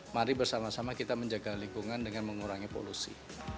mari bersama sama kita menjaga lingkungan dengan mengurangi polusi